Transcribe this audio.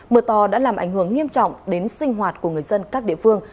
mưa to đã làm ảnh hưởng nghiêm trọng đến sinh hoạt của người dân các địa phương